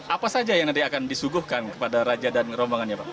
apa saja yang nanti akan disuguhkan kepada raja dan rombongannya pak